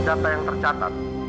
menurut data yang tercatat